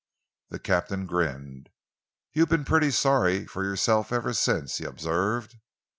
The Captain grinned. "You've been pretty sorry for yourself ever since," he observed.